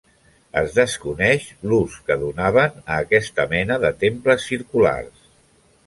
Es desconeix l'ús que donaven a aquesta mena de temples circulars.